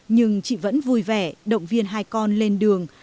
nhưng chị vẫn vui vẻ động viên hai con lên đường